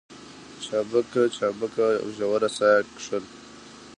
چابکه چابکه او ژوره ساه يې کښل.